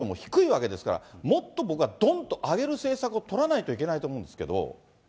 こういう方々のお給料を普通の業種よりも低いわけですから、もっと僕はどんと上げる政策を取らないといけないと思うんですけど。